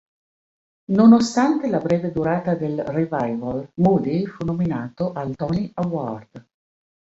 Nonostante la breve durata del revival, Moody fu nominato al Tony Award.